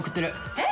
えっ！？